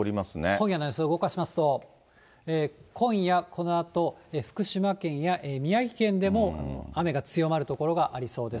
今夜の予想動かしますと、今夜、このあと福島県や宮城県でも雨が強まる所がありそうです。